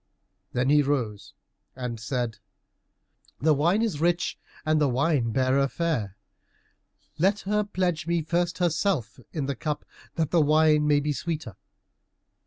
Then he rose and said, "The wine is rich, and the wine bearer fair. Let her pledge me first herself in the cup that the wine may be sweeter."